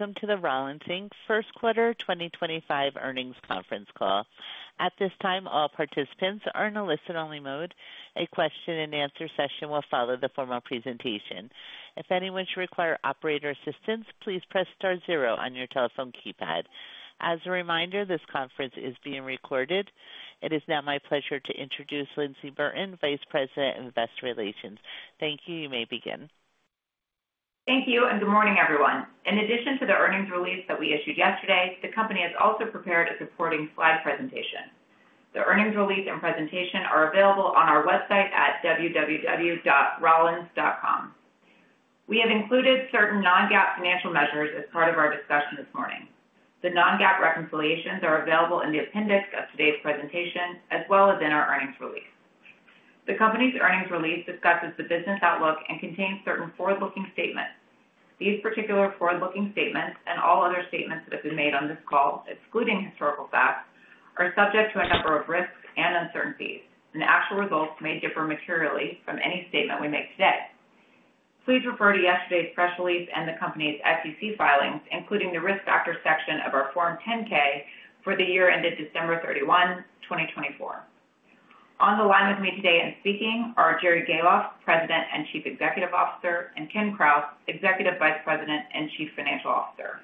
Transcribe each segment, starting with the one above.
Welcome to the Rollins Inc First Quarter 2025 earnings conference call. At this time, all participants are in a listen-only mode. A question-and-answer session will follow the formal presentation. If anyone should require operator assistance, please press star zero on your telephone keypad. As a reminder, this conference is being recorded. It is now my pleasure to introduce Lyndsey Burton, Vice President of Investor Relations. Thank you. You may begin. Thank you, and good morning, everyone. In addition to the earnings release that we issued yesterday, the company has also prepared a supporting slide presentation. The earnings release and presentation are available on our website at www.rollins.com. We have included certain non-GAAP financial measures as part of our discussion this morning. The non-GAAP reconciliations are available in the appendix of today's presentation, as well as in our earnings release. The company's earnings release discusses the business outlook and contains certain forward-looking statements. These particular forward-looking statements and all other statements that have been made on this call, excluding historical facts, are subject to a number of risks and uncertainties, and actual results may differ materially from any statement we make today. Please refer to yesterday's press release and the company's SEC filings, including the risk factor section of our Form 10-K for the year ended December 31, 2024. On the line with me today and speaking are Jerry Gahlhoff, President and Chief Executive Officer, and Ken Krause, Executive Vice President and Chief Financial Officer.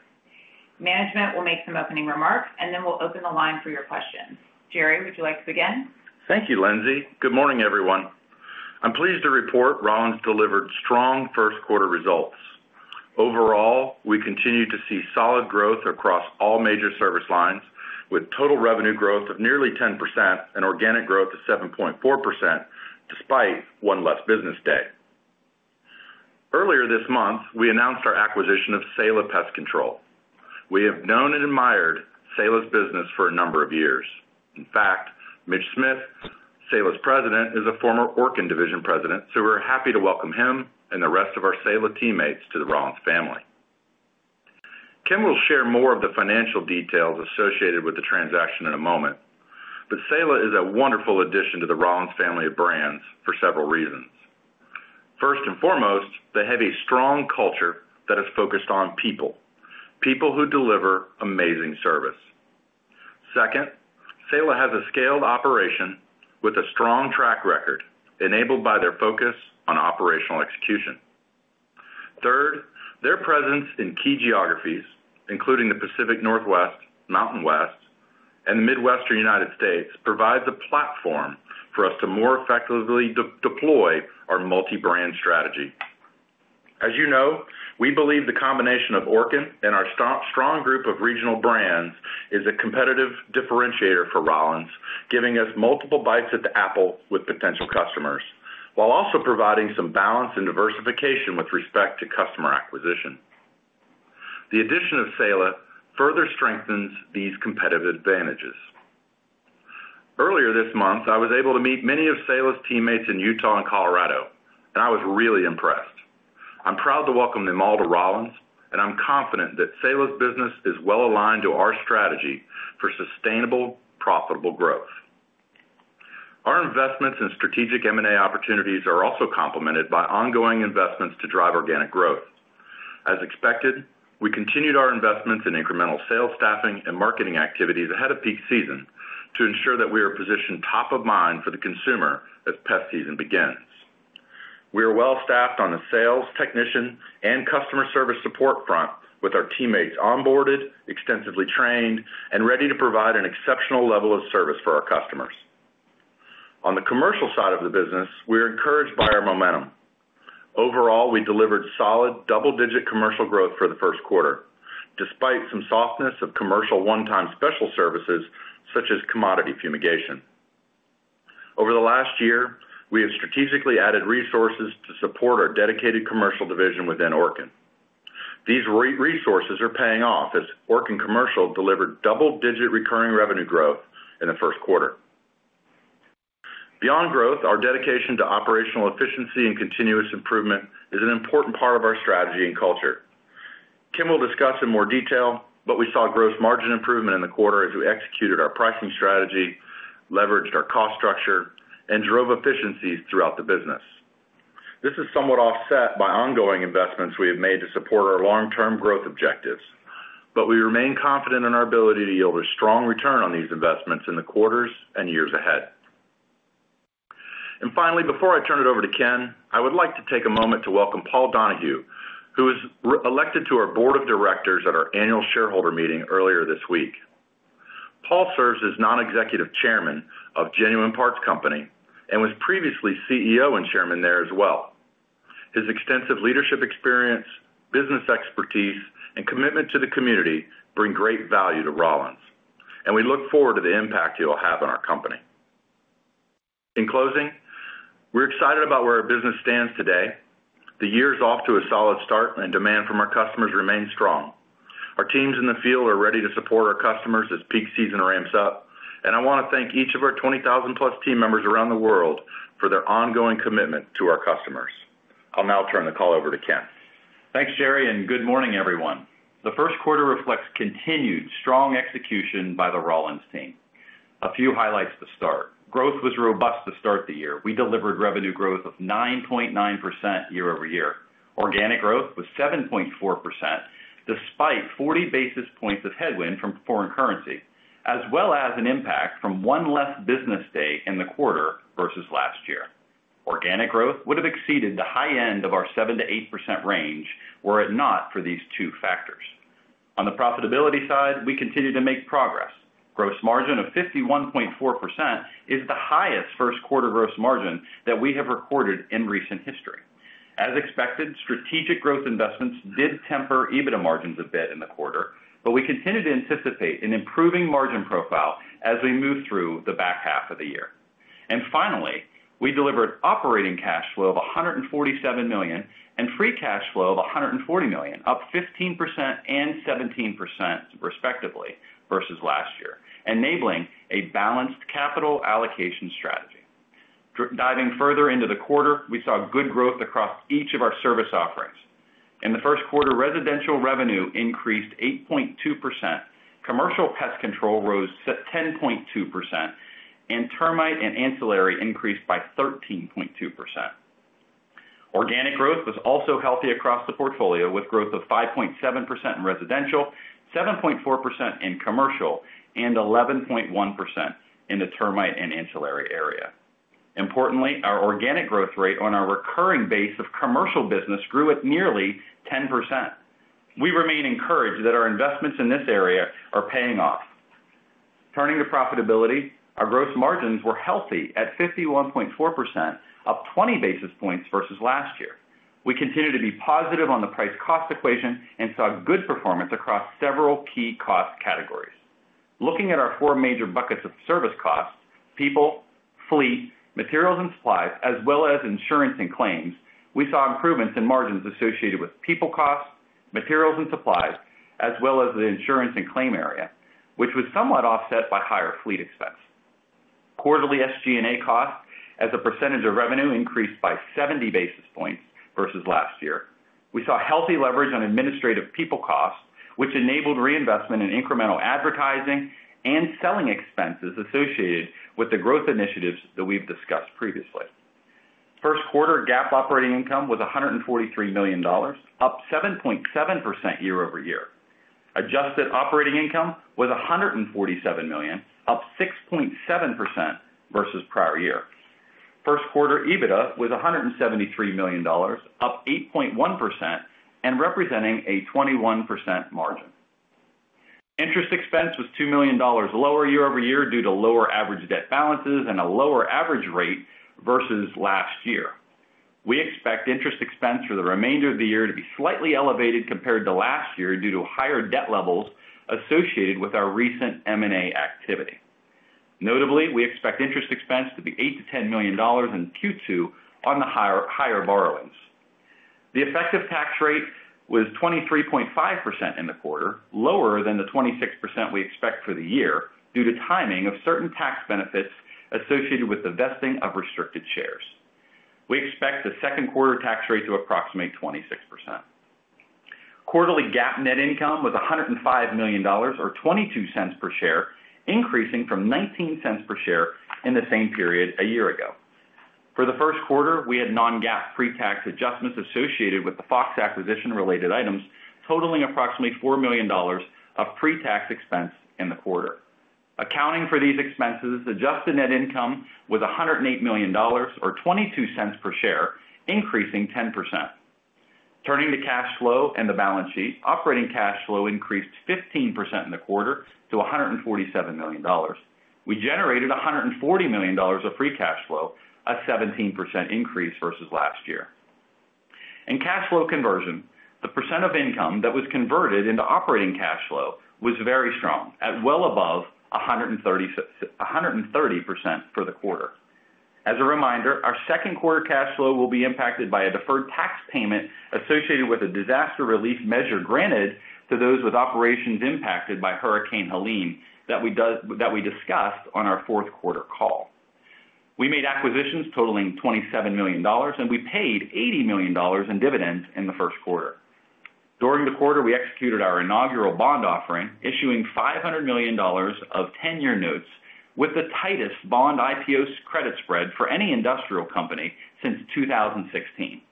Management will make some opening remarks, and then we'll open the line for your questions. Jerry, would you like to begin? Thank you, Lyndsey. Good morning, everyone. I'm pleased to report Rollins delivered strong first quarter results. Overall, we continue to see solid growth across all major service lines, with total revenue growth of nearly 10% and organic growth of 7.4%, despite one less business day. Earlier this month, we announced our acquisition of Saela Pest Control. We have known and admired Saela's business for a number of years. In fact, Mitch Smith, Saela's president, is a former Orkin Division president, so we're happy to welcome him and the rest of our Saela teammates to the Rollins family. Ken will share more of the financial details associated with the transaction in a moment, but Saela is a wonderful addition to the Rollins family of brands for several reasons. First and foremost, they have a strong culture that is focused on people, people who deliver amazing service. Second, Saela has a scaled operation with a strong track record enabled by their focus on operational execution. Third, their presence in key geographies, including the Pacific Northwest, Mountain West, and the Midwestern United States, provides a platform for us to more effectively deploy our multi-brand strategy. As you know, we believe the combination of Orkin and our strong group of regional brands is a competitive differentiator for Rollins, giving us multiple bites at the apple with potential customers, while also providing some balance and diversification with respect to customer acquisition. The addition of Saela further strengthens these competitive advantages. Earlier this month, I was able to meet many of Saela's teammates in Utah and Colorado, and I was really impressed. I'm proud to welcome them all to Rollins, and I'm confident that Saela's business is well aligned to our strategy for sustainable, profitable growth. Our investments in strategic M&A opportunities are also complemented by ongoing investments to drive organic growth. As expected, we continued our investments in incremental sales staffing and marketing activities ahead of peak season to ensure that we are positioned top of mind for the consumer as pest season begins. We are well staffed on the sales, technician, and customer service support front with our teammates onboarded, extensively trained, and ready to provide an exceptional level of service for our customers. On the commercial side of the business, we are encouraged by our momentum. Overall, we delivered solid double-digit commercial growth for the first quarter, despite some softness of commercial one-time special services such as commodity fumigation. Over the last year, we have strategically added resources to support our dedicated commercial division within Orkin. These resources are paying off as Orkin Commercial delivered double-digit recurring revenue growth in the first quarter. Beyond growth, our dedication to operational efficiency and continuous improvement is an important part of our strategy and culture. Ken will discuss in more detail, but we saw gross margin improvement in the quarter as we executed our pricing strategy, leveraged our cost structure, and drove efficiencies throughout the business. This is somewhat offset by ongoing investments we have made to support our long-term growth objectives, but we remain confident in our ability to yield a strong return on these investments in the quarters and years ahead. Finally, before I turn it over to Ken, I would like to take a moment to welcome Paul Donahue, who was elected to our board of directors at our annual shareholder meeting earlier this week. Paul serves as non-executive chairman of Genuine Parts Company and was previously CEO and chairman there as well. His extensive leadership experience, business expertise, and commitment to the community bring great value to Rollins, and we look forward to the impact he will have on our company. In closing, we're excited about where our business stands today. The year is off to a solid start, and demand from our customers remains strong. Our teams in the field are ready to support our customers as peak season ramps up, and I want to thank each of our 20,000-plus team members around the world for their ongoing commitment to our customers. I'll now turn the call over to Ken. Thanks, Jerry, and good morning, everyone. The first quarter reflects continued strong execution by the Rollins team. A few highlights to start. Growth was robust to start the year. We delivered revenue growth of 9.9% year-over-year. Organic growth was 7.4% despite 40 basis points of headwind from foreign currency, as well as an impact from one less business day in the quarter versus last year. Organic growth would have exceeded the high end of our 7-8% range were it not for these two factors. On the profitability side, we continue to make progress. Gross margin of 51.4% is the highest first quarter gross margin that we have recorded in recent history. As expected, strategic growth investments did temper EBITDA margins a bit in the quarter, but we continue to anticipate an improving margin profile as we move through the back half of the year. Finally, we delivered operating cash flow of $147 million and free cash flow of $140 million, up 15% and 17% respectively versus last year, enabling a balanced capital allocation strategy. Diving further into the quarter, we saw good growth across each of our service offerings. In the first quarter, residential revenue increased 8.2%, commercial pest control rose 10.2%, and termite and ancillary increased by 13.2%. Organic growth was also healthy across the portfolio with growth of 5.7% in residential, 7.4% in commercial, and 11.1% in the termite and ancillary area. Importantly, our organic growth rate on our recurring base of commercial business grew at nearly 10%. We remain encouraged that our investments in this area are paying off. Turning to profitability, our gross margins were healthy at 51.4%, up 20 basis points versus last year. We continue to be positive on the price-cost equation and saw good performance across several key cost categories. Looking at our four major buckets of service costs: people, fleet, materials and supplies, as well as insurance and claims, we saw improvements in margins associated with people costs, materials and supplies, as well as the insurance and claim area, which was somewhat offset by higher fleet expense. Quarterly SG&A costs, as a percentage of revenue, increased by 70 basis points versus last year. We saw healthy leverage on administrative people costs, which enabled reinvestment in incremental advertising and selling expenses associated with the growth initiatives that we've discussed previously. First quarter GAAP operating income was $143 million, up 7.7% year-over-year. Adjusted operating income was $147 million, up 6.7% versus prior year. First quarter EBITDA was $173 million, up 8.1%, and representing a 21% margin. Interest expense was $2 million lower year-over-year due to lower average debt balances and a lower average rate versus last year. We expect interest expense for the remainder of the year to be slightly elevated compared to last year due to higher debt levels associated with our recent M&A activity. Notably, we expect interest expense to be $8-$10 million in Q2 on the higher borrowings. The effective tax rate was 23.5% in the quarter, lower than the 26% we expect for the year due to timing of certain tax benefits associated with the vesting of restricted shares. We expect the second quarter tax rate to approximate 26%. Quarterly GAAP net income was $105 million, or $0.22 per share, increasing from $0.19 per share in the same period a year ago. For the first quarter, we had non-GAAP pre-tax adjustments associated with the Fox acquisition-related items, totaling approximately $4 million of pre-tax expense in the quarter. Accounting for these expenses, adjusted net income was $108 million, or $0.22 per share, increasing 10%. Turning to cash flow and the balance sheet, operating cash flow increased 15% in the quarter to $147 million. We generated $140 million of free cash flow, a 17% increase versus last year. In cash flow conversion, the percent of income that was converted into operating cash flow was very strong, at well above 130% for the quarter. As a reminder, our second quarter cash flow will be impacted by a deferred tax payment associated with a disaster relief measure granted to those with operations impacted by Hurricane Helene that we discussed on our fourth quarter call. We made acquisitions totaling $27 million, and we paid $80 million in dividends in the first quarter. During the quarter, we executed our inaugural bond offering, issuing $500 million of 10-year notes with the tightest bond IPO credit spread for any industrial company since 2016.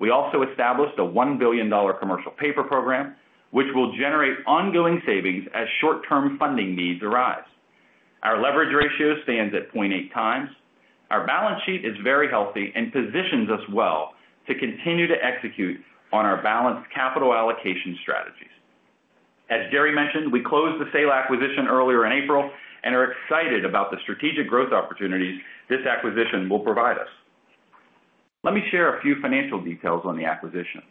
We also established a $1 Billion Commercial Paper Program, which will generate ongoing savings as short-term funding needs arise. Our leverage ratio stands at 0.8 times. Our balance sheet is very healthy and positions us well to continue to execute on our balanced capital allocation strategies. As Jerry mentioned, we closed the Saela acquisition earlier in April and are excited about the strategic growth opportunities this acquisition will provide us. Let me share a few financial details on the acquisition.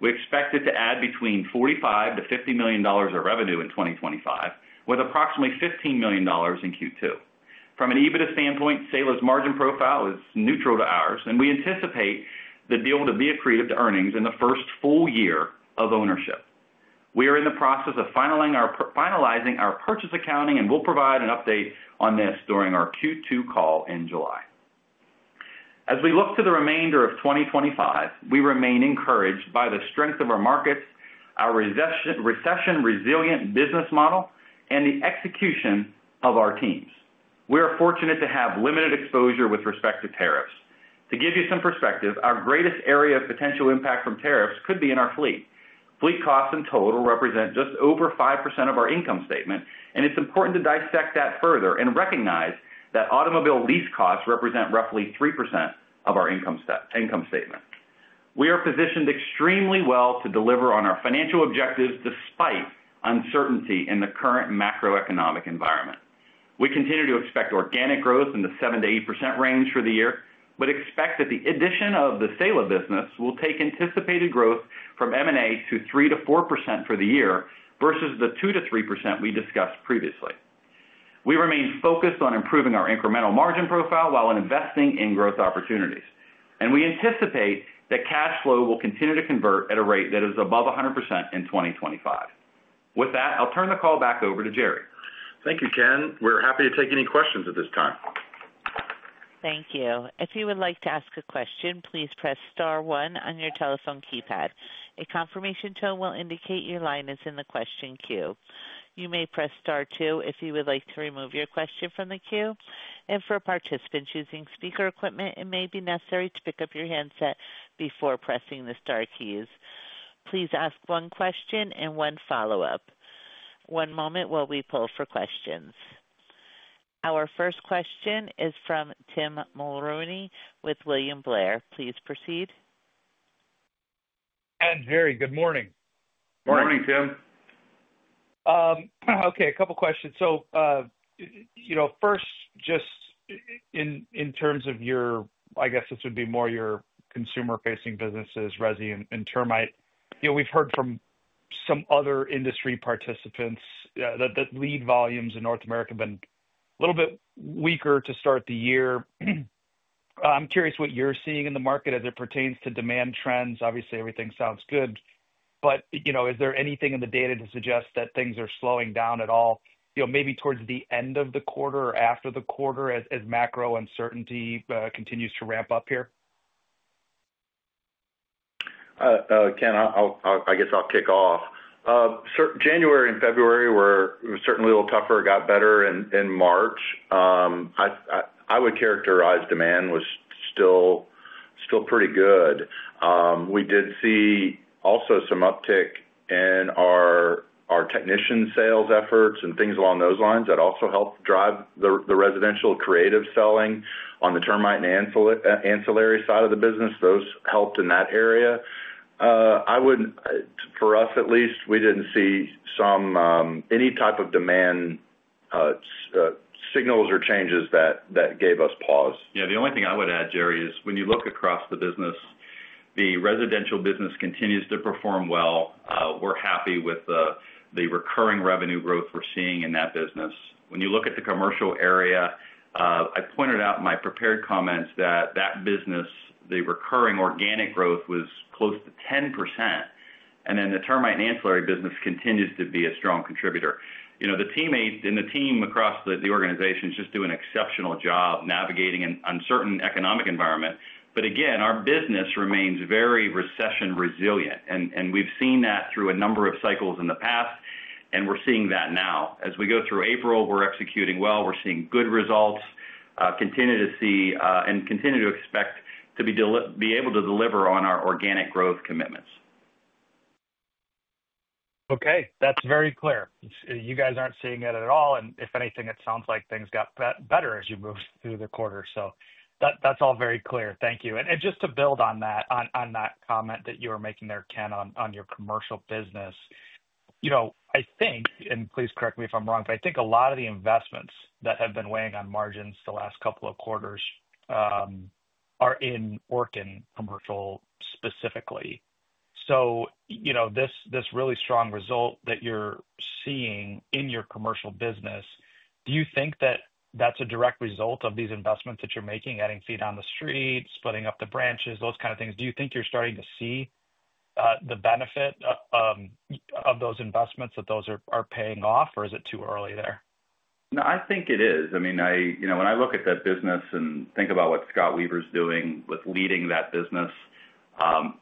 We expect it to add between $45-$50 million of revenue in 2025, with approximately $15 million in Q2. From an EBITDA standpoint, Saela's margin profile is neutral to ours, and we anticipate the deal to be accretive to earnings in the first full year of ownership. We are in the process of finalizing our purchase accounting and will provide an update on this during our Q2 call in July. As we look to the remainder of 2025, we remain encouraged by the strength of our markets, our recession-resilient business model, and the execution of our teams. We are fortunate to have limited exposure with respect to tariffs. To give you some perspective, our greatest area of potential impact from tariffs could be in our fleet. Fleet costs in total represent just over 5% of our income statement, and it's important to dissect that further and recognize that automobile lease costs represent roughly 3% of our income statement. We are positioned extremely well to deliver on our financial objectives despite uncertainty in the current macroeconomic environment. We continue to expect organic growth in the 7-8% range for the year, but expect that the addition of the Saela business will take anticipated growth from M&A to 3-4% for the year versus the 2-3% we discussed previously. We remain focused on improving our incremental margin profile while investing in growth opportunities, and we anticipate that cash flow will continue to convert at a rate that is above 100% in 2025. With that, I'll turn the call back over to Jerry. Thank you, Ken. We're happy to take any questions at this time. Thank you. If you would like to ask a question, please press star one on your telephone keypad. A confirmation tone will indicate your line is in the question queue. You may press star two if you would like to remove your question from the queue. For participants using speaker equipment, it may be necessary to pick up your handset before pressing the star keys. Please ask one question and one follow-up. One moment while we pull for questions. Our first question is from Tim Mulrooney with William Blair. Please proceed. Jerry, good morning. Good morning, Tim. Okay, a couple of questions. First, just in terms of your, I guess this would be more your consumer-facing businesses, residential and termite, we've heard from some other industry participants that lead volumes in North America have been a little bit weaker to start the year. I'm curious what you're seeing in the market as it pertains to demand trends. Obviously, everything sounds good, but is there anything in the data to suggest that things are slowing down at all, maybe towards the end of the quarter or after the quarter as macro uncertainty continues to ramp up here? Ken, I guess I'll kick off. January and February were certainly a little tougher, got better in March. I would characterize demand was still pretty good. We did see also some uptick in our technician sales efforts and things along those lines that also helped drive the residential creative selling on the termite and ancillary side of the business. Those helped in that area. For us, at least, we didn't see any type of demand signals or changes that gave us pause. Yeah, the only thing I would add, Jerry, is when you look across the business, the residential business continues to perform well. We're happy with the recurring revenue growth we're seeing in that business. When you look at the commercial area, I pointed out in my prepared comments that that business, the recurring organic growth, was close to 10%, and then the termite and ancillary business continues to be a strong contributor. The teammates and the team across the organization are just doing an exceptional job navigating an uncertain economic environment. Again, our business remains very recession resilient, and we've seen that through a number of cycles in the past, and we're seeing that now. As we go through April, we're executing well. We're seeing good results, continue to see, and continue to expect to be able to deliver on our organic growth commitments. Okay, that's very clear. You guys aren't seeing it at all. If anything, it sounds like things got better as you moved through the quarter. That's all very clear. Thank you. Just to build on that comment that you were making there, Ken, on your commercial business, I think, and please correct me if I'm wrong, but I think a lot of the investments that have been weighing on margins the last couple of quarters are in Orkin Commercial specifically. This really strong result that you're seeing in your commercial business, do you think that that's a direct result of these investments that you're making, adding feet on the street, splitting up the branches, those kind of things? Do you think you're starting to see the benefit of those investments, that those are paying off, or is it too early there? No, I think it is. I mean, when I look at that business and think about what Scott Weaver's doing with leading that business,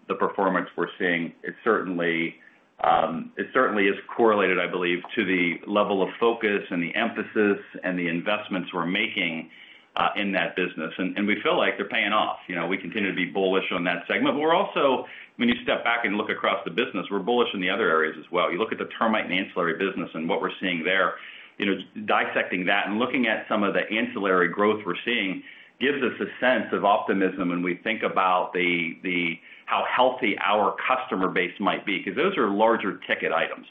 the performance we're seeing, it certainly is correlated, I believe, to the level of focus and the emphasis and the investments we're making in that business. We feel like they're paying off. We continue to be bullish on that segment. When you step back and look across the business, we're bullish in the other areas as well. You look at the termite and ancillary business and what we're seeing there, dissecting that and looking at some of the ancillary growth we're seeing gives us a sense of optimism when we think about how healthy our customer base might be, because those are larger ticket items.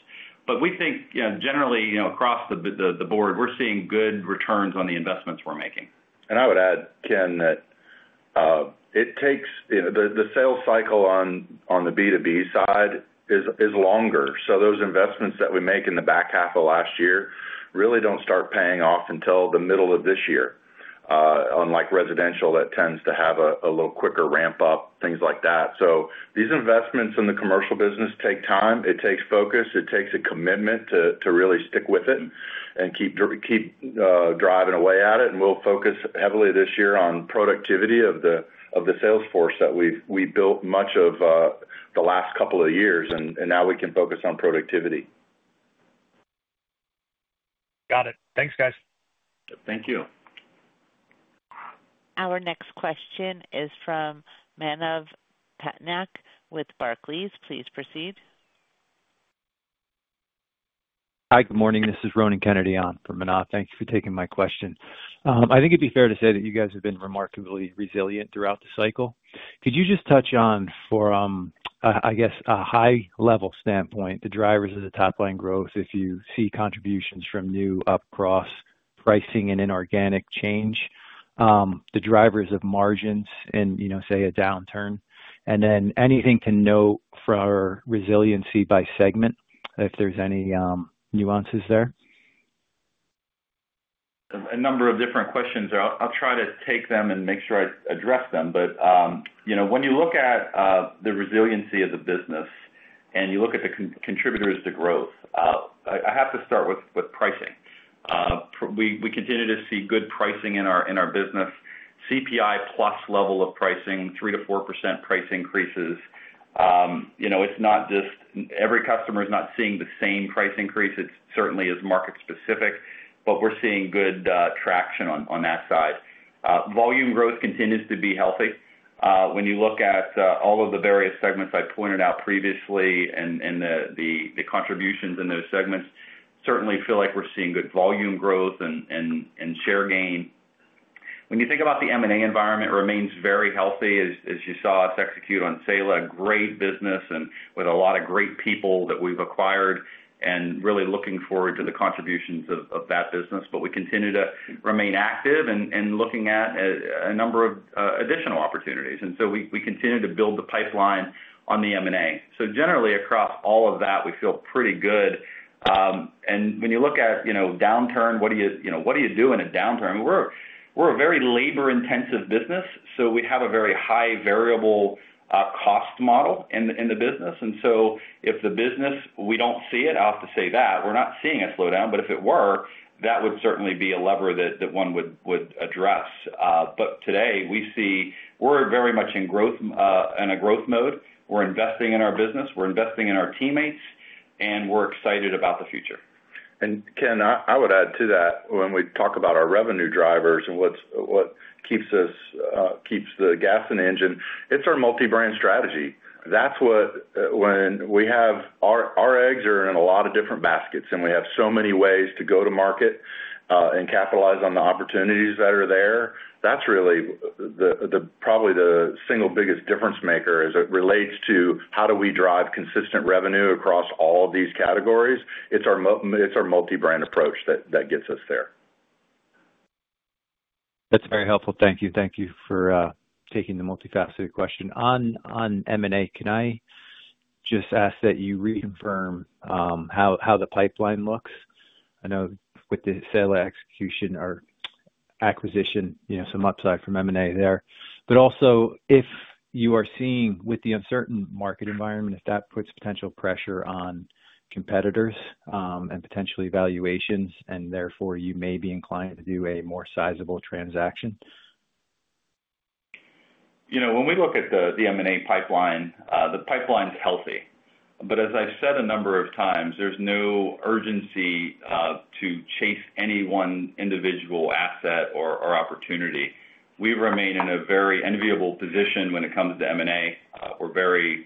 We think, generally, across the board, we're seeing good returns on the investments we're making. I would add, Ken, that the sales cycle on the B2B side is longer. Those investments that we make in the back half of last year really do not start paying off until the middle of this year, unlike residential that tends to have a little quicker ramp up, things like that. These investments in the commercial business take time. It takes focus. It takes a commitment to really stick with it and keep driving away at it. We will focus heavily this year on productivity of the sales force that we built much of the last couple of years, and now we can focus on productivity. Got it. Thanks, guys. Thank you. Our next question is from Manav Patnaik with Barclays. Please proceed. Hi, good morning. This is Ronan Kennedy on from Manav. Thank you for taking my question. I think it'd be fair to say that you guys have been remarkably resilient throughout the cycle. Could you just touch on, I guess, a high-level standpoint, the drivers of the top-line growth if you see contributions from new up cross pricing and inorganic change, the drivers of margins and, say, a downturn, and then anything to note for resiliency by segment, if there's any nuances there? A number of different questions. I'll try to take them and make sure I address them. When you look at the resiliency of the business and you look at the contributors to growth, I have to start with pricing. We continue to see good pricing in our business, CPI plus level of pricing, 3-4% price increases. It's not just every customer is not seeing the same price increase. It certainly is market-specific, but we're seeing good traction on that side. Volume growth continues to be healthy. When you look at all of the various segments I pointed out previously and the contributions in those segments, certainly feel like we're seeing good volume growth and share gain. When you think about the M&A environment, it remains very healthy, as you saw us execute on Saela, a great business and with a lot of great people that we've acquired and really looking forward to the contributions of that business. We continue to remain active and looking at a number of additional opportunities. We continue to build the pipeline on the M&A. Generally, across all of that, we feel pretty good. When you look at downturn, what do you do in a downturn? We're a very labor-intensive business, so we have a very high variable cost model in the business. If the business, we don't see it, I'll have to say that, we're not seeing a slowdown. If it were, that would certainly be a lever that one would address. Today, we're very much in a growth mode. We're investing in our business. We're investing in our teammates, and we're excited about the future. Ken, I would add to that when we talk about our revenue drivers and what keeps the gas in the engine, it's our multi-brand strategy. When we have our eggs are in a lot of different baskets and we have so many ways to go to market and capitalize on the opportunities that are there, that's really probably the single biggest difference maker as it relates to how do we drive consistent revenue across all of these categories. It's our multi-brand approach that gets us there. That's very helpful. Thank you. Thank you for taking the multifaceted question. On M&A, can I just ask that you reaffirm how the pipeline looks? I know with the Saela acquisition, some upside from M&A there. Also, if you are seeing with the uncertain market environment, if that puts potential pressure on competitors and potentially valuations, and therefore you may be inclined to do a more sizable transaction? When we look at the M&A pipeline, the pipeline is healthy. As I've said a number of times, there's no urgency to chase any one individual asset or opportunity. We remain in a very enviable position when it comes to M&A. We're very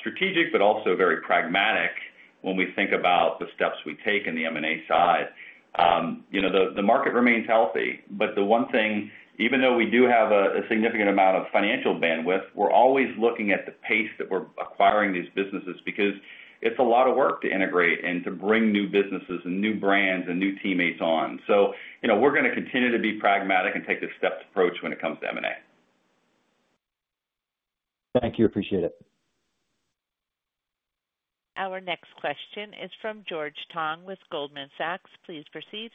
strategic, but also very pragmatic when we think about the steps we take on the M&A side. The market remains healthy. The one thing, even though we do have a significant amount of financial bandwidth, we're always looking at the pace that we're acquiring these businesses because it's a lot of work to integrate and to bring new businesses and new brands and new teammates on. We're going to continue to be pragmatic and take the stepped approach when it comes to M&A. Thank you. Appreciate it. Our next question is from George Tong with Goldman Sachs. Please proceed.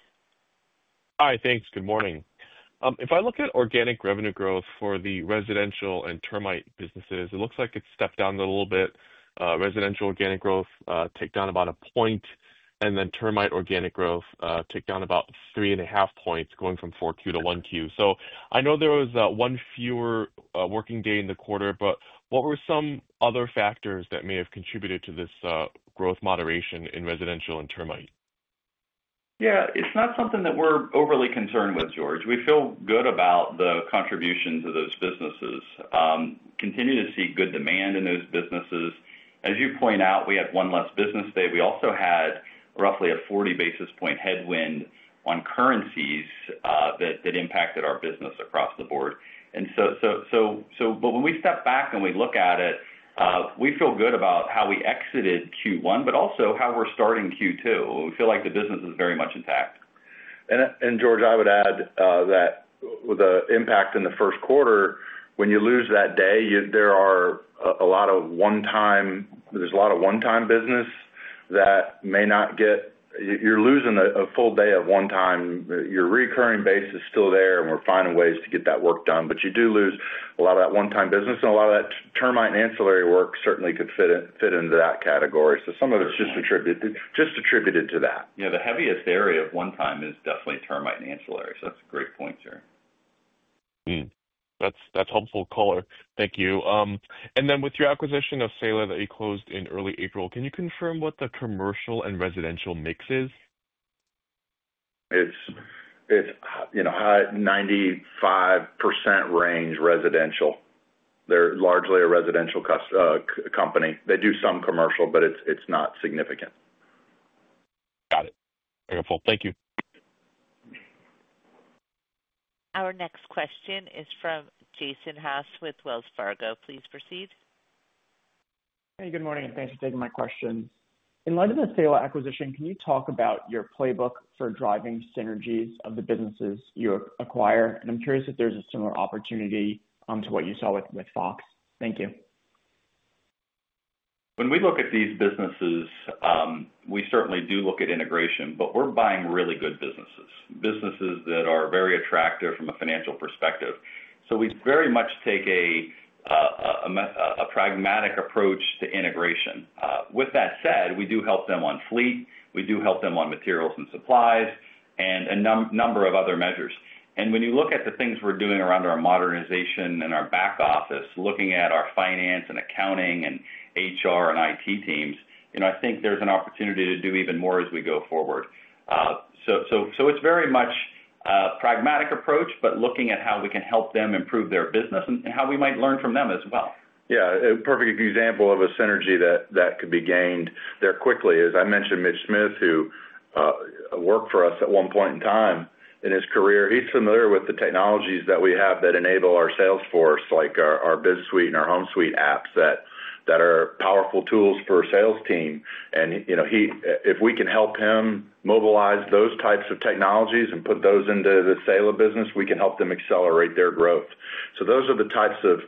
Hi, thanks. Good morning. If I look at organic revenue growth for the residential and termite businesses, it looks like it's stepped down a little bit. Residential organic growth ticked down about a point, and then termite organic growth ticked down about three and a half points going from Q4 to Q1. I know there was one fewer working day in the quarter, but what were some other factors that may have contributed to this growth moderation in residential and termite? Yeah, it's not something that we're overly concerned with, George. We feel good about the contributions of those businesses. Continue to see good demand in those businesses. As you point out, we had one less business day. We also had roughly a 40 basis point headwind on currencies that impacted our business across the board. When we step back and we look at it, we feel good about how we exited Q1, but also how we're starting Q2. We feel like the business is very much intact. George, I would add that with the impact in the first quarter, when you lose that day, there is a lot of one-time business that may not get, you are losing a full day of one-time. Your recurring base is still there, and we are finding ways to get that work done. You do lose a lot of that one-time business, and a lot of that termite and ancillary work certainly could fit into that category. Some of it is just attributed to that. Yeah, the heaviest area of one-time is definitely termite and ancillary. So that's a great point, sir. That's helpful color. Thank you. With your acquisition of Saela that you closed in early April, can you confirm what the commercial and residential mix is? It's high 95% range residential. They're largely a residential company. They do some commercial, but it's not significant. Got it. Very helpful. Thank you. Our next question is from Jason Haas with Wells Fargo. Please proceed. Hey, good morning, and thanks for taking my question. In light of the Saela acquisition, can you talk about your playbook for driving synergies of the businesses you acquire? I am curious if there's a similar opportunity to what you saw with Fox. Thank you. When we look at these businesses, we certainly do look at integration, but we're buying really good businesses, businesses that are very attractive from a financial perspective. We very much take a pragmatic approach to integration. With that said, we do help them on fleet. We do help them on materials and supplies and a number of other measures. When you look at the things we're doing around our modernization and our back office, looking at our finance and accounting and HR and IT teams, I think there's an opportunity to do even more as we go forward. It is very much a pragmatic approach, but looking at how we can help them improve their business and how we might learn from them as well. Yeah, a perfect example of a synergy that could be gained there quickly is I mentioned Mitch Smith, who worked for us at one point in time in his career. He's familiar with the technologies that we have that enable our sales force, like our BizSuite and our HomeSuite apps that are powerful tools for our sales team. If we can help him mobilize those types of technologies and put those into the Saela business, we can help them accelerate their growth. Those are the types of,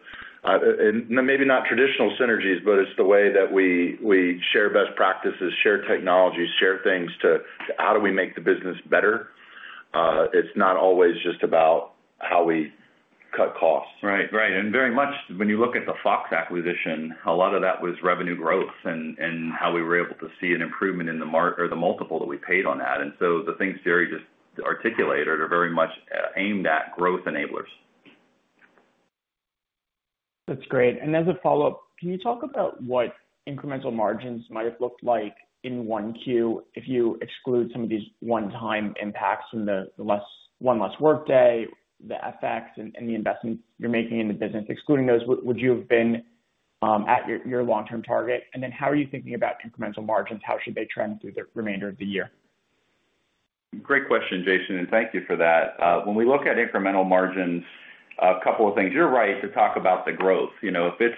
and maybe not traditional synergies, but it's the way that we share best practices, share technologies, share things to how do we make the business better. It's not always just about how we cut costs. Right. Right. And very much when you look at the Fox acquisition, a lot of that was revenue growth and how we were able to see an improvement in the multiple that we paid on that. The things Jerry just articulated are very much aimed at growth enablers. That's great. As a follow-up, can you talk about what incremental margins might have looked like in 1Q if you exclude some of these one-time impacts and the one less workday, the FX, and the investments you're making in the business? Excluding those, would you have been at your long-term target? How are you thinking about incremental margins? How should they trend through the remainder of the year? Great question, Jason. Thank you for that. When we look at incremental margins, a couple of things. You're right to talk about the growth. If it's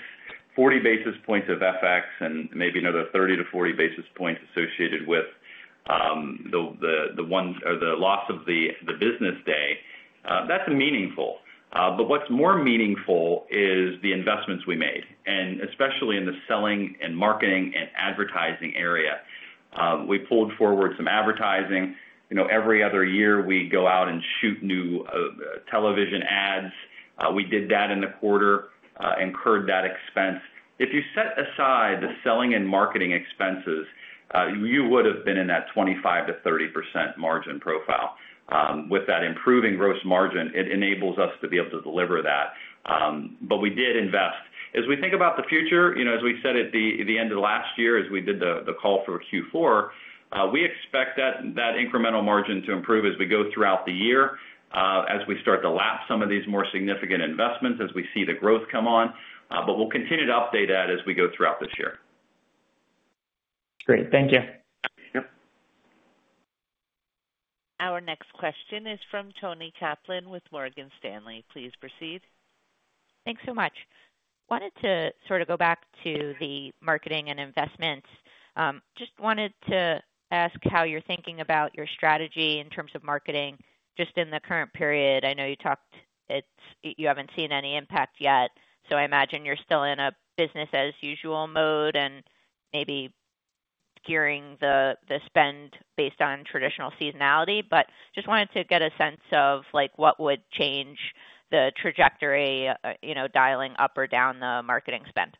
40 basis points of FX and maybe another 30-40 basis points associated with the loss of the business day, that's meaningful. What's more meaningful is the investments we made, especially in the selling and marketing and advertising area. We pulled forward some advertising. Every other year, we go out and shoot new television ads. We did that in the quarter, incurred that expense. If you set aside the selling and marketing expenses, you would have been in that 25-30% margin profile. With that improving gross margin, it enables us to be able to deliver that. We did invest. As we think about the future, as we said at the end of last year, as we did the call for Q4, we expect that incremental margin to improve as we go throughout the year, as we start to lap some of these more significant investments, as we see the growth come on. We will continue to update that as we go throughout this year. Great. Thank you. Yep. Our next question is from Toni Kaplan with Morgan Stanley. Please proceed. Thanks so much. Wanted to sort of go back to the marketing and investments. Just wanted to ask how you're thinking about your strategy in terms of marketing just in the current period. I know you talked you haven't seen any impact yet, so I imagine you're still in a business-as-usual mode and maybe gearing the spend based on traditional seasonality. Just wanted to get a sense of what would change the trajectory, dialing up or down the marketing spend.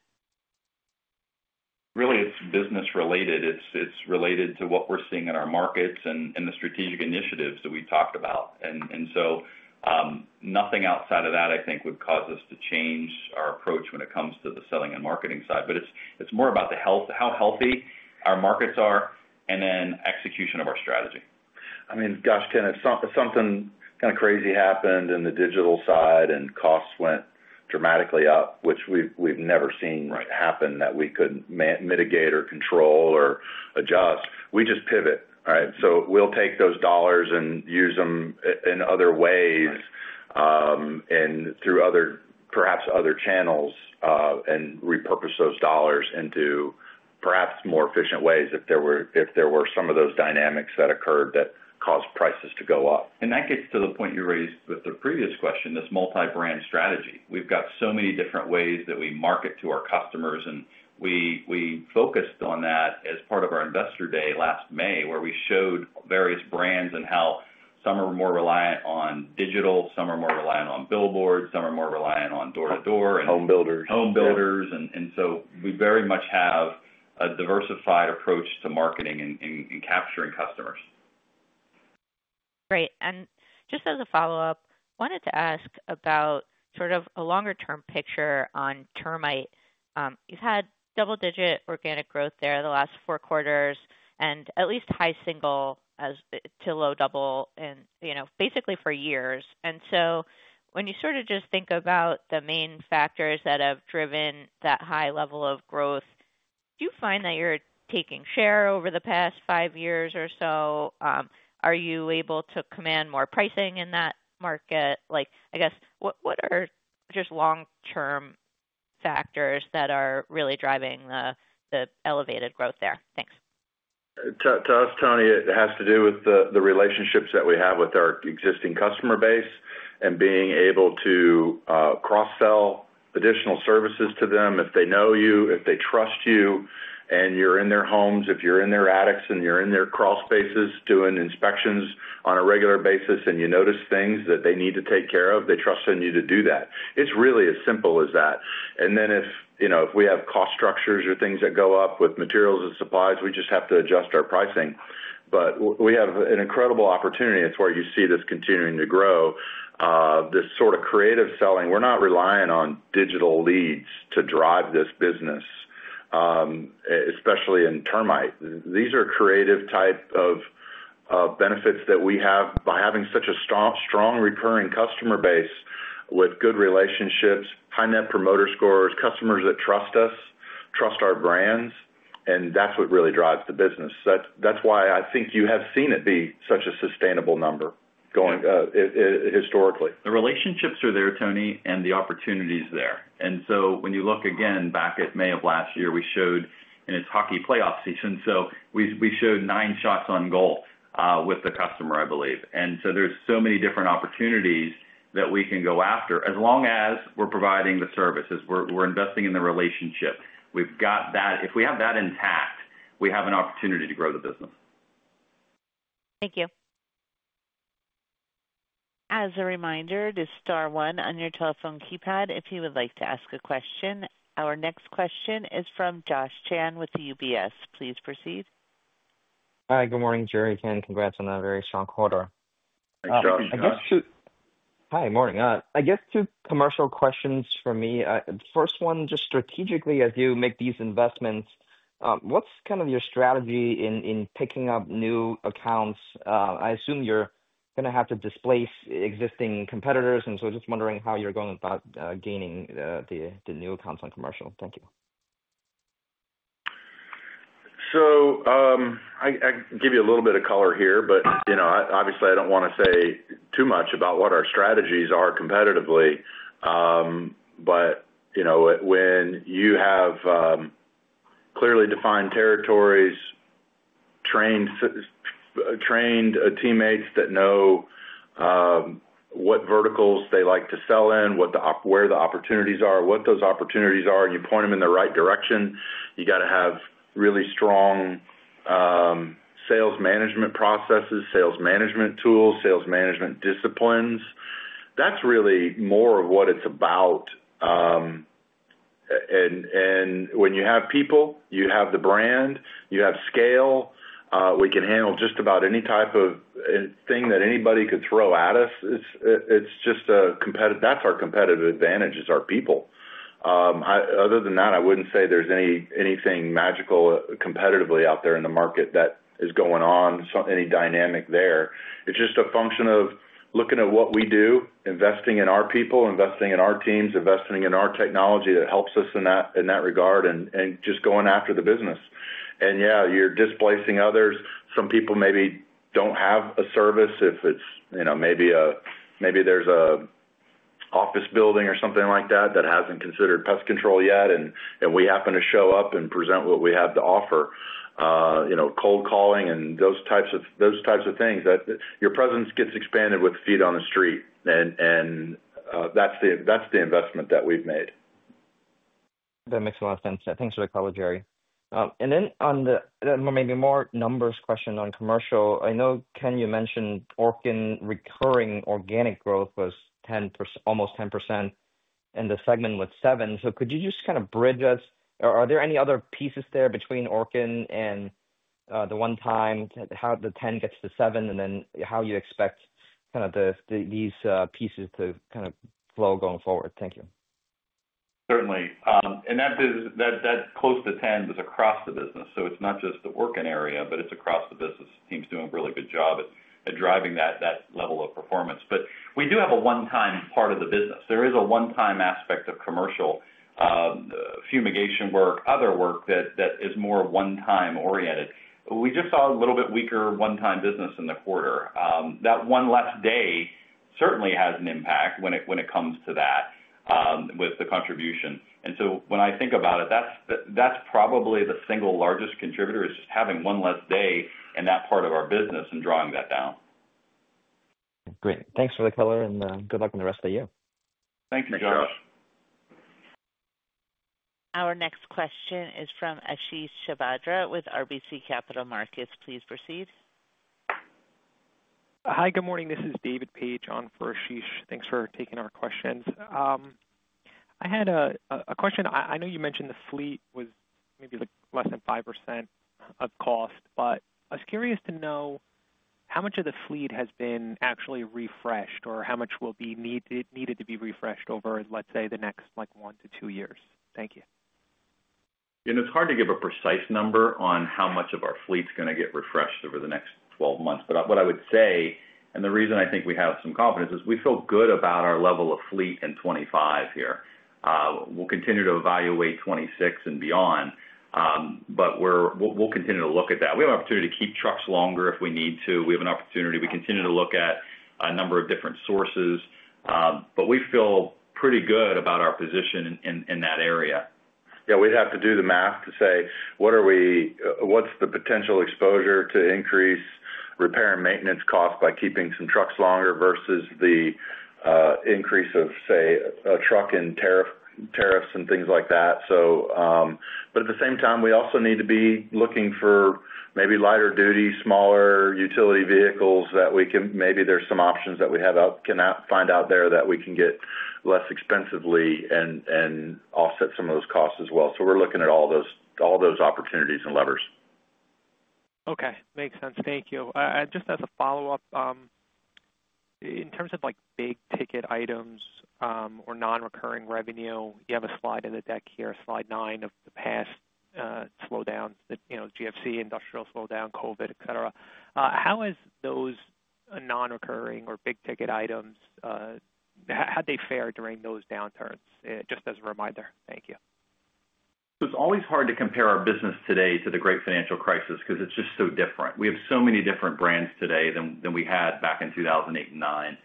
Really, it's business-related. It's related to what we're seeing in our markets and the strategic initiatives that we talked about. Nothing outside of that, I think, would cause us to change our approach when it comes to the selling and marketing side. It's more about how healthy our markets are and then execution of our strategy. I mean, gosh, Toni, something kind of crazy happened in the digital side, and costs went dramatically up, which we've never seen happen that we could mitigate or control or adjust. We just pivot, right? We take those dollars and use them in other ways and through perhaps other channels and repurpose those dollars into perhaps more efficient ways if there were some of those dynamics that occurred that caused prices to go up. That gets to the point you raised with the previous question, this multi-brand strategy. We've got so many different ways that we market to our customers. We focused on that as part of our investor day last May, where we showed various brands and how some are more reliant on digital, some are more reliant on billboards, some are more reliant on door-to-door. Home builders. Home builders. We very much have a diversified approach to marketing and capturing customers. Great. Just as a follow-up, wanted to ask about sort of a longer-term picture on termite. You've had double-digit organic growth there the last four quarters and at least high single to low double basically for years. When you sort of just think about the main factors that have driven that high level of growth, do you find that you're taking share over the past five years or so? Are you able to command more pricing in that market? I guess, what are just long-term factors that are really driving the elevated growth there? Thanks. To us, Toni, it has to do with the relationships that we have with our existing customer base and being able to cross-sell additional services to them if they know you, if they trust you, and you're in their homes, if you're in their attics and you're in their crawlspaces doing inspections on a regular basis and you notice things that they need to take care of, they trust in you to do that. It's really as simple as that. If we have cost structures or things that go up with materials and supplies, we just have to adjust our pricing. We have an incredible opportunity. It's where you see this continuing to grow, this sort of creative selling. We're not relying on digital leads to drive this business, especially in termite. These are creative types of benefits that we have by having such a strong recurring customer base with good relationships, high net promoter scores, customers that trust us, trust our brands, and that's what really drives the business. That's why I think you have seen it be such a sustainable number historically. The relationships are there, Toni, and the opportunity is there. When you look again back at May of last year, we showed, in its hockey playoff season, so we showed nine shots on goal with the customer, I believe. There are so many different opportunities that we can go after as long as we're providing the services, we're investing in the relationship. If we have that intact, we have an opportunity to grow the business. Thank you. As a reminder, this is star one on your telephone keypad if you would like to ask a question. Our next question is from Josh Chan with UBS. Please proceed. Hi, good morning, Jerry, Ken. Congrats on a very strong quarter. Hi, Josh. Hi, morning. I guess two commercial questions for me. First one, just strategically, as you make these investments, what's kind of your strategy in picking up new accounts? I assume you're going to have to displace existing competitors, and so just wondering how you're going about gaining the new accounts on commercial. Thank you. I can give you a little bit of color here, but obviously, I don't want to say too much about what our strategies are competitively. When you have clearly defined territories, trained teammates that know what verticals they like to sell in, where the opportunities are, what those opportunities are, and you point them in the right direction, you got to have really strong sales management processes, sales management tools, sales management disciplines. That's really more of what it's about. When you have people, you have the brand, you have scale. We can handle just about any type of thing that anybody could throw at us. That's our competitive advantage is our people. Other than that, I wouldn't say there's anything magical competitively out there in the market that is going on, any dynamic there. It's just a function of looking at what we do, investing in our people, investing in our teams, investing in our technology that helps us in that regard, and just going after the business. Yeah, you're displacing others. Some people maybe don't have a service. If it's maybe there's an office building or something like that that hasn't considered pest control yet, and we happen to show up and present what we have to offer, cold calling and those types of things, your presence gets expanded with feet on the street. That's the investment that we've made. That makes a lot of sense. Thanks for the call, Jerry. On the maybe more numbers question on commercial, I know, Ken, you mentioned Orkin, recurring organic growth was almost 10% and the segment with 7. Could you just kind of bridge us? Are there any other pieces there between Orkin and the one time, how the 10 gets to 7, and then how you expect kind of these pieces to kind of flow going forward? Thank you. Certainly. That close to 10 was across the business. It is not just the Orkin area, but it is across the business teams doing a really good job at driving that level of performance. We do have a one-time part of the business. There is a one-time aspect of commercial fumigation work, other work that is more one-time oriented. We just saw a little bit weaker one-time business in the quarter. That one less day certainly has an impact when it comes to that with the contribution. When I think about it, that is probably the single largest contributor, just having one less day in that part of our business and drawing that down. Great. Thanks for the color and good luck in the rest of the year. Thank you, Josh. Our next question is from Ashish Sabadra with RBC Capital Markets. Please proceed. Hi, good morning. This is David Paige on for Ashish. Thanks for taking our questions. I had a question. I know you mentioned the fleet was maybe less than 5% of cost, but I was curious to know how much of the fleet has been actually refreshed or how much will be needed to be refreshed over, let's say, the next one to two years? Thank you. It is hard to give a precise number on how much of our fleet is going to get refreshed over the next 12 months. What I would say, and the reason I think we have some confidence, is we feel good about our level of fleet in 2025 here. We will continue to evaluate 2026 and beyond, but we will continue to look at that. We have an opportunity to keep trucks longer if we need to. We have an opportunity. We continue to look at a number of different sources, but we feel pretty good about our position in that area. Yeah, we'd have to do the math to say, what's the potential exposure to increase repair and maintenance costs by keeping some trucks longer versus the increase of, say, a truck in tariffs and things like that. At the same time, we also need to be looking for maybe lighter duty, smaller utility vehicles that we can maybe there's some options that we can find out there that we can get less expensively and offset some of those costs as well. We're looking at all those opportunities and levers. Okay. Makes sense. Thank you. Just as a follow-up, in terms of big ticket items or non-recurring revenue, you have a slide in the deck here, slide 9 of the past slowdowns, GFC, industrial slowdown, COVID, etc. How have those non-recurring or big ticket items, how did they fare during those downturns? Just as a reminder. Thank you. It's always hard to compare our business today to the great financial crisis because it's just so different. We have so many different brands today than we had back in 2008 and 2009.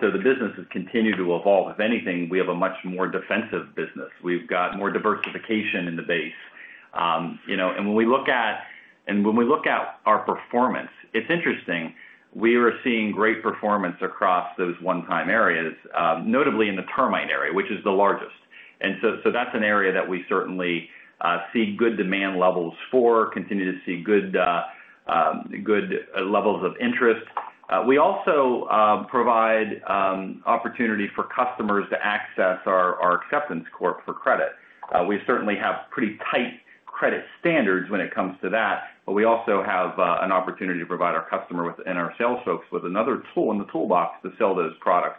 The business has continued to evolve. If anything, we have a much more defensive business. We've got more diversification in the base. When we look at our performance, it's interesting. We are seeing great performance across those one-time areas, notably in the termite area, which is the largest. That's an area that we certainly see good demand levels for, continue to see good levels of interest. We also provide opportunity for customers to access our Acceptance Corp for credit. We certainly have pretty tight credit standards when it comes to that, but we also have an opportunity to provide our customer and our sales folks with another tool in the toolbox to sell those products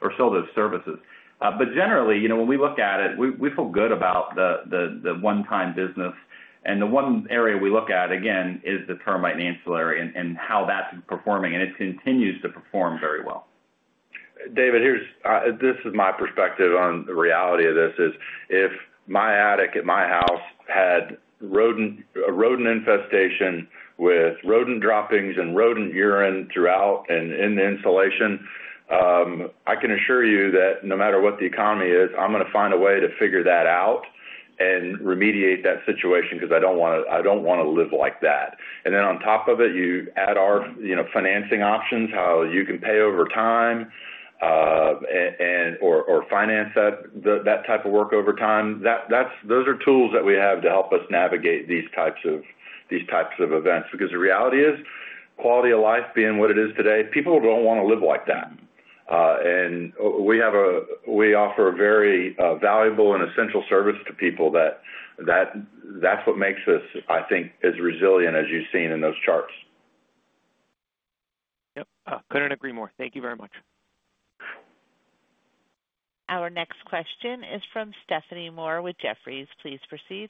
or sell those services. Generally, when we look at it, we feel good about the one-time business. The one area we look at, again, is the termite ancillary and how that's performing, and it continues to perform very well. David, this is my perspective on the reality of this is if my attic at my house had a rodent infestation with rodent droppings and rodent urine throughout and in the insulation, I can assure you that no matter what the economy is, I'm going to find a way to figure that out and remediate that situation because I don't want to live like that. You add our financing options, how you can pay over time or finance that type of work over time. Those are tools that we have to help us navigate these types of events. The reality is quality of life being what it is today, people don't want to live like that. We offer a very valuable and essential service to people that that's what makes us, I think, as resilient as you've seen in those charts. Yep. Couldn't agree more. Thank you very much. Our next question is from Stephanie Moore with Jefferies. Please proceed.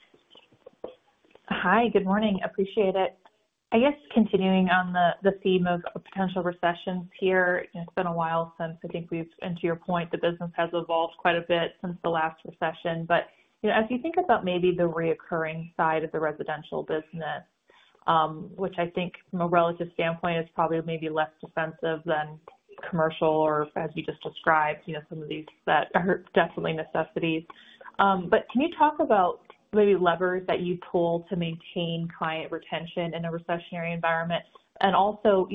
Hi, good morning. Appreciate it. I guess continuing on the theme of potential recessions here, it's been a while since, I think, to your point, the business has evolved quite a bit since the last recession. As you think about maybe the reoccurring side of the residential business, which I think from a relative standpoint is probably maybe less defensive than commercial or, as you just described, some of these that are definitely necessities. Can you talk about maybe levers that you pull to maintain client retention in a recessionary environment? Also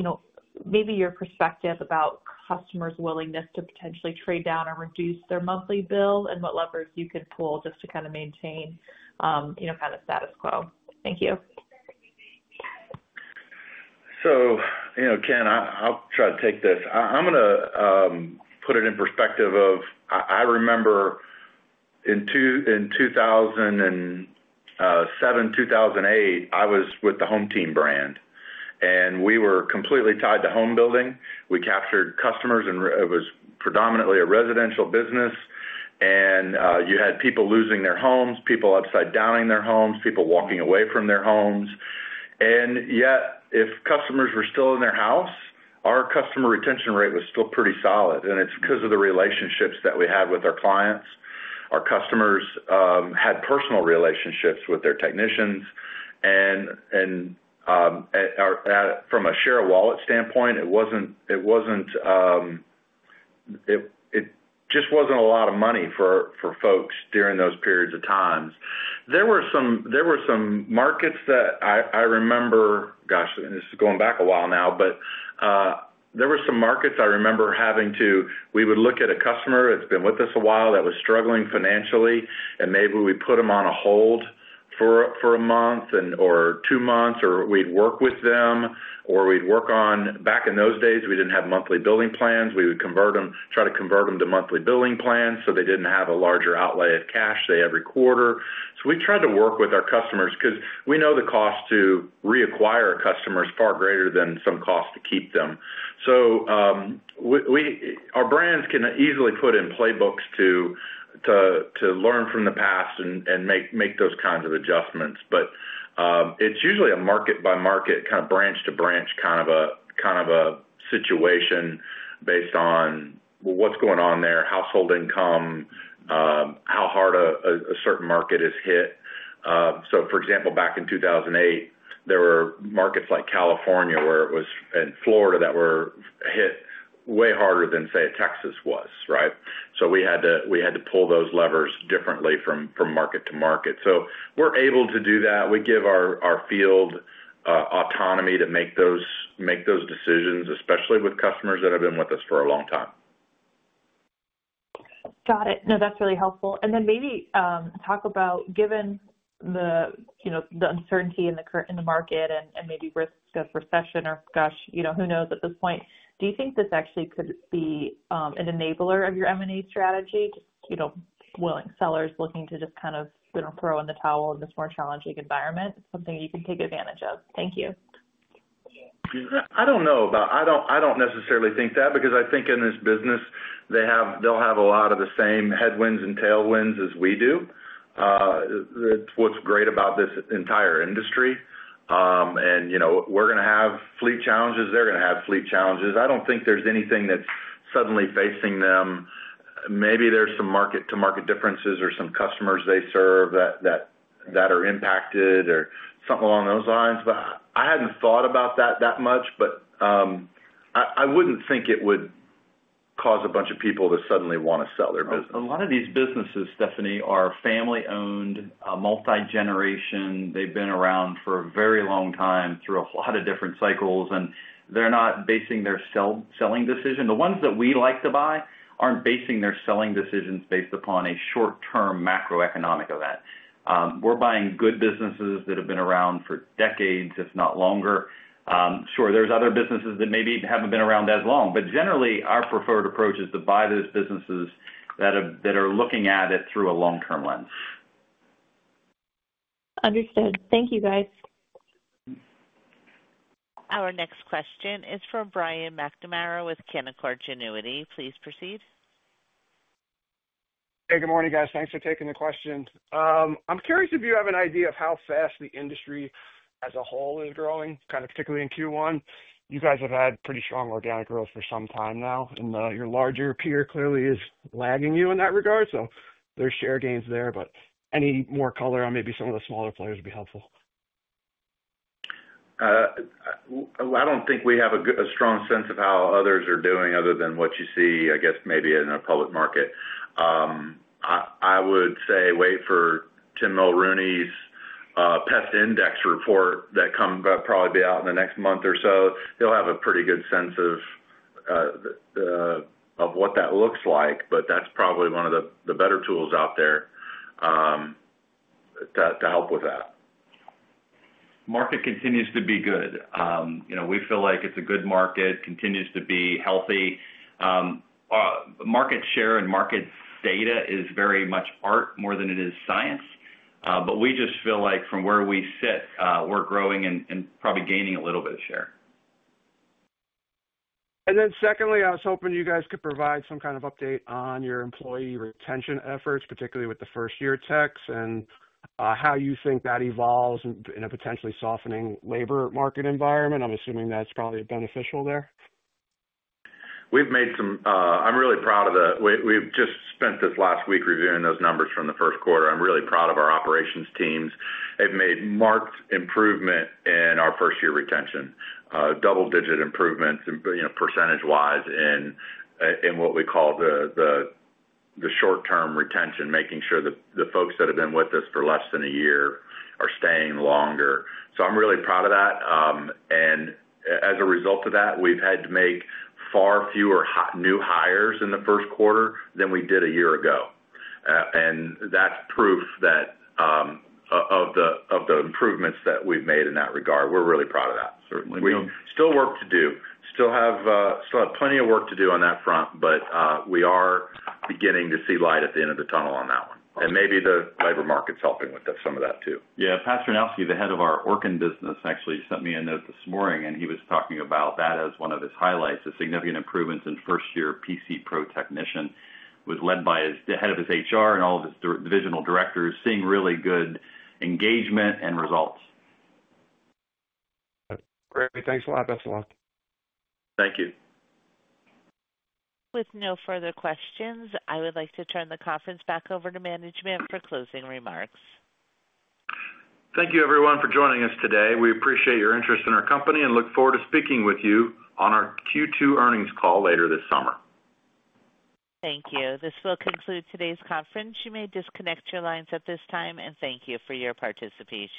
maybe your perspective about customers' willingness to potentially trade down or reduce their monthly bill and what levers you can pull just to kind of maintain kind of status quo. Thank you. Ken, I'll try to take this. I'm going to put it in perspective of I remember in 2007, 2008, I was with the HomeTeam brand, and we were completely tied to home building. We captured customers, and it was predominantly a residential business. You had people losing their homes, people upside-downing their homes, people walking away from their homes. Yet, if customers were still in their house, our customer retention rate was still pretty solid. It's because of the relationships that we had with our clients. Our customers had personal relationships with their technicians. From a share of wallet standpoint, it just was not a lot of money for folks during those periods of times. There were some markets that I remember, gosh, this is going back a while now, but there were some markets I remember having to, we would look at a customer that's been with us a while that was struggling financially, and maybe we put them on a hold for a month or two months, or we'd work with them, or we'd work on, back in those days, we didn't have monthly billing plans. We would try to convert them to monthly billing plans so they didn't have a larger outlay of cash every quarter. We tried to work with our customers because we know the cost to reacquire customers is far greater than some cost to keep them. Our brands can easily put in playbooks to learn from the past and make those kinds of adjustments. It is usually a market-by-market, kind of branch-to-branch kind of a situation based on what is going on there, household income, how hard a certain market is hit. For example, back in 2008, there were markets like California and Florida that were hit way harder than, say, Texas was, right? We had to pull those levers differently from market to market. We are able to do that. We give our field autonomy to make those decisions, especially with customers that have been with us for a long time. Got it. No, that's really helpful. Maybe talk about, given the uncertainty in the market and maybe risk of recession or, gosh, who knows at this point, do you think this actually could be an enabler of your M&A strategy? Just willing sellers looking to just kind of throw in the towel in this more challenging environment, something you can take advantage of? Thank you. I don't know about I don't necessarily think that because I think in this business, they'll have a lot of the same headwinds and tailwinds as we do. That's what's great about this entire industry. We're going to have fleet challenges. They're going to have fleet challenges. I don't think there's anything that's suddenly facing them. Maybe there's some market-to-market differences or some customers they serve that are impacted or something along those lines. I hadn't thought about that that much, but I wouldn't think it would cause a bunch of people to suddenly want to sell their business. A lot of these businesses, Stephanie, are family-owned, multi-generation. They've been around for a very long time through a lot of different cycles, and they're not basing their selling decision. The ones that we like to buy aren't basing their selling decisions based upon a short-term macroeconomic event. We're buying good businesses that have been around for decades, if not longer. Sure, there are other businesses that maybe haven't been around as long. Generally, our preferred approach is to buy those businesses that are looking at it through a long-term lens. Understood. Thank you, guys. Our next question is from Brian McNamara with Canaccord Genuity. Please proceed. Hey, good morning, guys. Thanks for taking the question. I'm curious if you have an idea of how fast the industry as a whole is growing, kind of particularly in Q1. You guys have had pretty strong organic growth for some time now, and your larger peer clearly is lagging you in that regard. There are share gains there, but any more color on maybe some of the smaller players would be helpful. I don't think we have a strong sense of how others are doing other than what you see, I guess, maybe in a public market. I would say wait for Tim Mulrooney's Pest Index report that'll probably be out in the next month or so. He'll have a pretty good sense of what that looks like, but that's probably one of the better tools out there to help with that. Market continues to be good. We feel like it's a good market, continues to be healthy. Market share and market data is very much art more than it is science. But we just feel like from where we sit, we're growing and probably gaining a little bit of share. I was hoping you guys could provide some kind of update on your employee retention efforts, particularly with the first-year techs and how you think that evolves in a potentially softening labor market environment. I'm assuming that's probably beneficial there. We've made some, I'm really proud of the, we've just spent this last week reviewing those numbers from the first quarter. I'm really proud of our operations teams. They've made marked improvement in our first-year retention, double-digit improvements % wise in what we call the short-term retention, making sure that the folks that have been with us for less than a year are staying longer. I'm really proud of that. As a result of that, we've had to make far fewer new hires in the first quarter than we did a year ago. That's proof of the improvements that we've made in that regard. We're really proud of that. Certainly, we still work to do. Still have plenty of work to do on that front, but we are beginning to see light at the end of the tunnel on that one. Maybe the labor market's helping with some of that too. Yeah. Patrick Chrzanowski, the head of our Orkin business, actually sent me a note this morning, and he was talking about that as one of his highlights, a significant improvement in first-year PC Pro Technician was led by the head of his HR and all of his divisional directors seeing really good engagement and results. Great. Thanks a lot. Best of luck. Thank you. With no further questions, I would like to turn the conference back over to management for closing remarks. Thank you, everyone, for joining us today. We appreciate your interest in our company and look forward to speaking with you on our Q2 earnings call later this summer. Thank you. This will conclude today's conference. You may disconnect your lines at this time, and thank you for your participation.